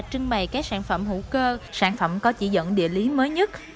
trưng bày các sản phẩm hữu cơ sản phẩm có chỉ dẫn địa lý mới nhất